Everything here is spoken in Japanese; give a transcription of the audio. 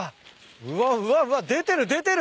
うわうわうわ出てる出てる！